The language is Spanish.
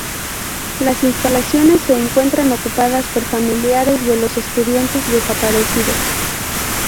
Las instalaciones se encuentran ocupadas por familiares de los estudiantes desaparecidos.